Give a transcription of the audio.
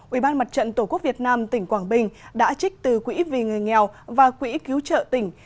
ubnd tqvn tỉnh quảng bình đã trích từ quỹ vì người nghèo và quỹ cứu trợ tỉnh